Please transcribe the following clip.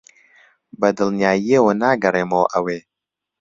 بەدڵنیاییەوە ناگەڕێمەوە ئەوێ.